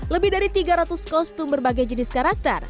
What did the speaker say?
lebih dari tiga ratus kostum berbagai jenis karakter